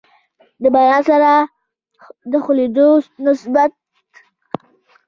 د باران سره د خوييدلو نسبت